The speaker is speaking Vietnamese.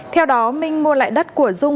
theo đó minh mua lại đất của dung